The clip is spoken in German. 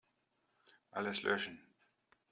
Alles löschen.